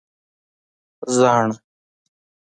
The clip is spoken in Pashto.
🦩زاڼه